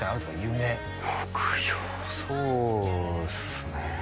夢目標そうっすね